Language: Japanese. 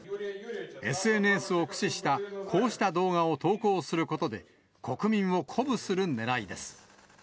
ＳＮＳを駆使したこうした動画を投稿することで、国民を鼓舞するねらいです。